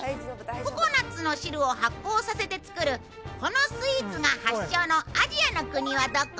ココナツの汁を発酵させて作るこのスイーツが発祥のアジアの国はどこ？